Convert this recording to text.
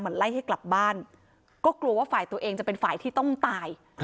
ไล่ให้กลับบ้านก็กลัวว่าฝ่ายตัวเองจะเป็นฝ่ายที่ต้องตาย